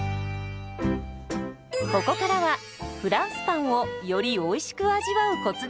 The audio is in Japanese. ここからはフランスパンをよりおいしく味わうコツです。